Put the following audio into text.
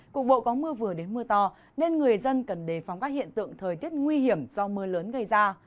cục bộ có mưa vừa đến mưa to nên người dân cần đề phóng các hiện tượng thời tiết nguy hiểm do mưa lớn gây ra